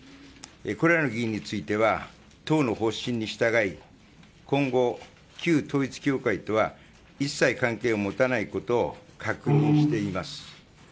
これらの議員については党の方針に従い今後、旧統一教会とは一切関係を持たないことを確認しています。